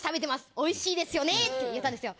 美味しいですよねって言ったんですよ。